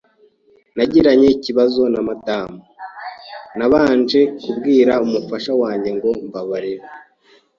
nagiranye ikibazo na Madame, ntabanje kubwira umufasha wanjye ngo :" MBABARIRA "